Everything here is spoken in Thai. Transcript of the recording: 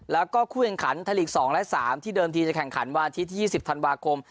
แล้วก็คู่แข่งขันไทยลีก๒และ๓ที่เดิมทีจะแข่งขันวันอาทิตย์ที่๒๐ธันวาคม